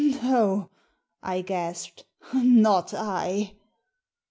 " No," I gasped ; "not I."